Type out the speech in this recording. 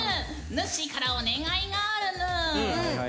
ぬっしーからお願いがあるぬん。